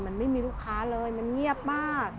มันไม่มีลูกค้าเลยมันเงียบมาก